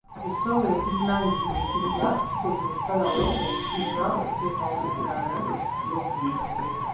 Ekitongole ekivunaanyizibwa ekibuga kikoze okusalawo okusinga okuteekawo ebitaala by'oku nguudo.